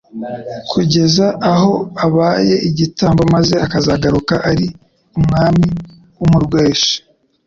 kugeza aho abaye igitambo maze akazagaruka ari Umwami w'umurueshi;